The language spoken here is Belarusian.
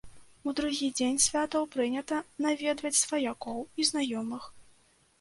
У другі дзень святаў прынята наведваць сваякоў і знаёмых.